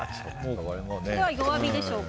弱火でしょうか。